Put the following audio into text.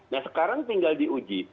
nah sekarang tinggal diuji